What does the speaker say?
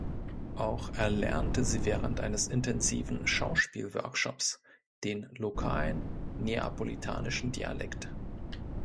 Auch erlernte sie während eines intensiven Schauspielworkshops den lokalen neapolitanischen Dialekt.